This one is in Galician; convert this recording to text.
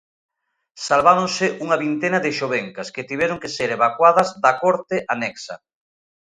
Salváronse unha vintena de xovencas, que tiveron que ser evacuadas da corte anexa.